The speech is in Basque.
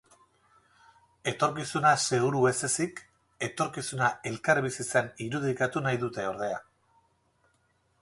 Etorkizuna seguru ez ezik, etorkizuna elkarbizitzan irudikatu nahi dute, ordea.